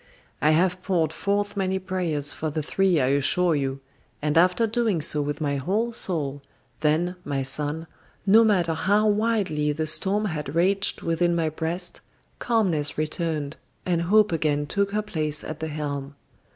I have poured forth many prayers for the three, I assure you, and after doing so with my whole soul, then, my son, no matter how wildly the storm had raged within my breast, calmness returned, and Hope again took her place at the helm.